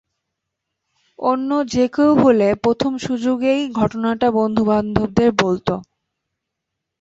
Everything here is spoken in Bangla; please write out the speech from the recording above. অন্য যে-কেউ হলে প্রথম সুযোগেই ঘটনাটা বন্ধুবান্ধবদের বলত।